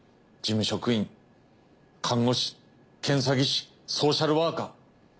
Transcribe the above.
事務職員看護師検査技師ソーシャルワーカー。